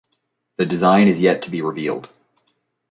The design is yet to be revealed.